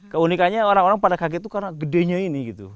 keunikannya orang orang pada kaget itu karena gedenya ini gitu